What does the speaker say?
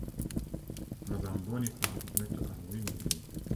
Mazamboni Farm is next to Aruwimi Wood.